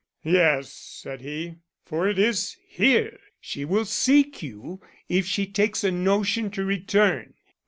"Yes," said he. "For it is here she will seek you if she takes a notion to return.